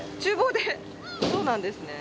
そうなんですね。